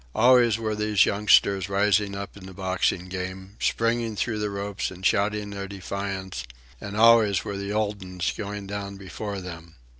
Always were these youngsters rising up in the boxing game, springing through the ropes and shouting their defiance; and always were the old uns going down before them.